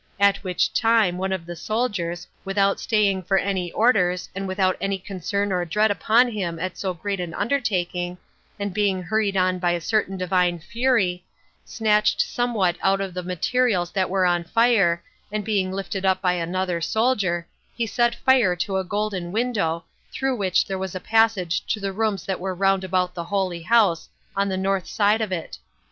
At which time one of the soldiers, without staying for any orders, and without any concern or dread upon him at so great an undertaking, and being hurried on by a certain divine fury, snatched somewhat out of the materials that were on fire, and being lifted up by another soldier, he set fire to a golden window, through which there was a passage to the rooms that were round about the holy house, on the north side of it.